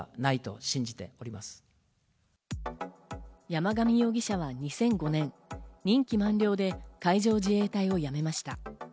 山上容疑者は２００５年、任期満了で海上自衛隊を辞めました。